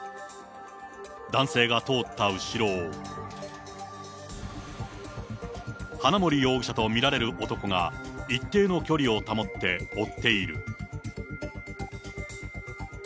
男性が通った後ろを、花森容疑者と見られる男が、一定の距離を保って追っている。